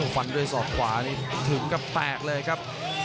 ฝันด้วยสอบขวาถึงก็แตกเลยครับ